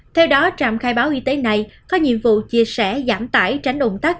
theo đó trạm khai báo y tế này có nhiệm vụ chia sẻ giảm tải tránh ủng tắc